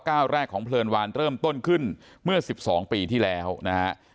ก้าวแรกของเพลินวานเริ่มต้นขึ้นเมื่อ๑๒ปีที่แล้วนะฮะ